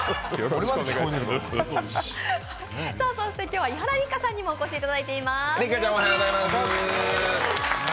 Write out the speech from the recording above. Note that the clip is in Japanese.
今日は伊原六花さんにもお越しいただいています。